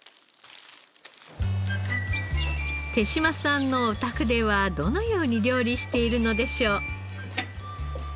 手島さんのお宅ではどのように料理しているのでしょう？